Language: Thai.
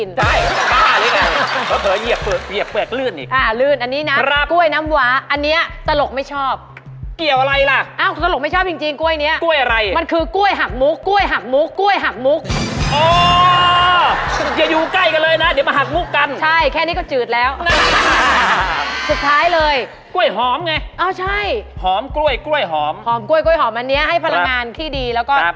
เนี่ยแม่พี่ก็เหมือนกันขูดแล้วกล้วยทิ้งแล้วเปลือกให้พี่กิน